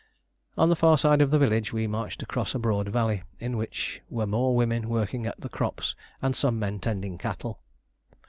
On the far side of the village we marched across a broad valley, in which were more women working at the crops and some men tending cattle.